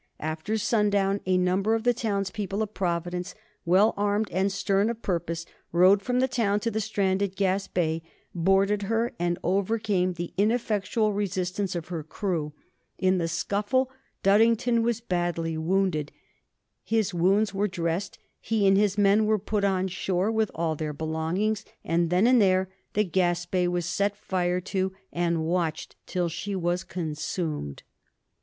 After sundown a number of the townspeople of Providence, well armed and stern of purpose, rowed from the town to the stranded "Gaspee," boarded her, and overcame the ineffectual resistance of her crew. In the scuffle Duddington was badly wounded. His wounds were dressed: he and his men were put on shore with all their belongings, and then and there the "Gaspee" was set fire to and watched till she was consumed.